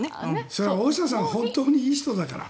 それは、大下さんは本当にいい人だから。